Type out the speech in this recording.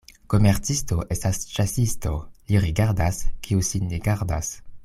Komercisto estas ĉasisto, li rigardas, kiu sin ne gardas.